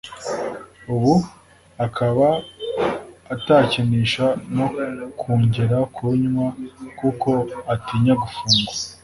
ubu akaba atakinisha no kungera kurunywa kuko atinya gufungwa